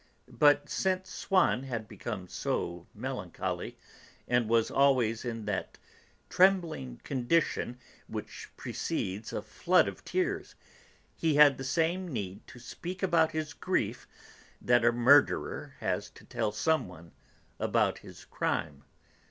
But since Swann had become so melancholy, and was always in that trembling condition which precedes a flood of tears, he had the same need to speak about his grief that a murderer has to tell some one about his crime.